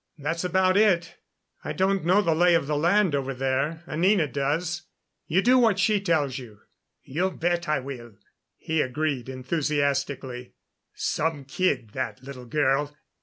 "That's about it. I don't know the lay of the land over there. Anina does. You do what she tells you." "You bet I will," he agreed enthusiastically. "Some kid that little girl.